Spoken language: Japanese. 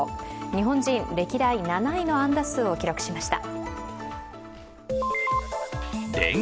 日本人歴代７位の安打数を記録しました。